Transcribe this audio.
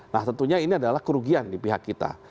nah tentunya ini adalah kerugian di pihak kita